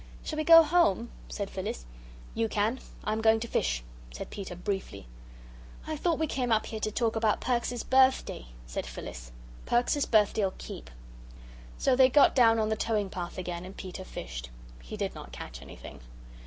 "Shall we go home?" said Phyllis. "You can. I'm going to fish," said Peter briefly. "I thought we came up here to talk about Perks's birthday," said Phyllis. "Perks's birthday'll keep." So they got down on the towing path again and Peter fished. He did not catch anything.